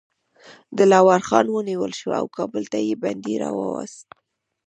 دلاور خان ونیول شو او کابل ته یې بندي راووست.